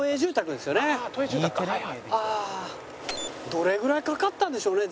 どれぐらいかかったんでしょうね？